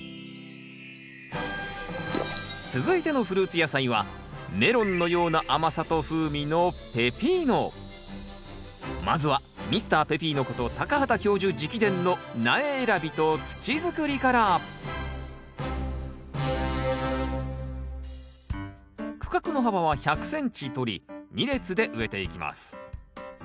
続いてのフルーツ野菜はメロンのような甘さと風味のまずはミスターペピーノこと畑教授直伝の苗選びと土づくりから区画の幅は１００ｃｍとり２列で植えていきます。